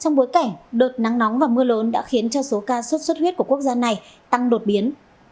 trong bối cảnh đợt nắng nóng và mưa lớn đã khiến cho số ca xuất xuất huyết của quốc gia này tăng đột biến